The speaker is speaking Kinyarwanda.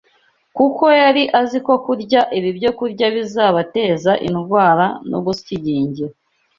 kuko yari azi ko kurya ibi byokurya bizabateza indwara no gusyigingira